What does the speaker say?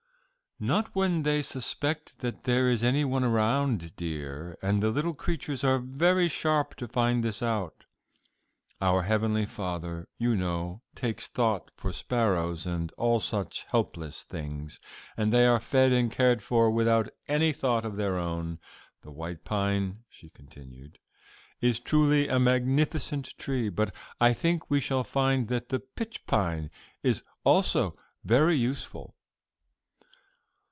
"Not when they suspect that there is any one around, dear, and the little creatures are very sharp to find this out. Our heavenly Father, you know, takes thought for sparrows and all such helpless things, and they are fed and cared for without any thought of their own. The white pine," she continued, "is truly a magnificent tree, but I think we shall find that the pitch pine is also very useful."